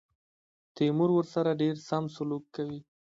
تیمور ورسره ډېر سم سلوک کوي.